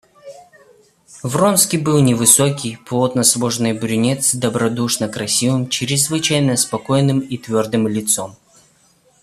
Вронский был невысокий, плотно сложенный брюнет, с добродушно-красивым, чрезвычайно спокойным и твердым лицом.